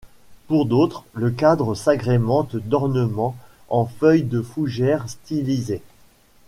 Pour d'autres, le cadre s'agrémente d'ornements en feuilles de fougères stylisées.